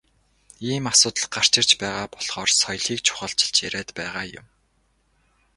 Ийм асуудал гарч ирж байгаа болохоор соёлыг чухалчилж яриад байгаа юм.